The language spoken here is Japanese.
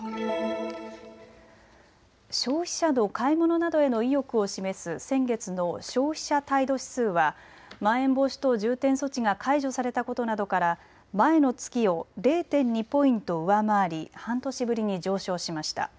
消費者の買い物などへの意欲を示す先月の消費者態度指数はまん延防止等重点措置が解除されたことなどから前の月を０．２ポイント上回り半年ぶりに上昇しました。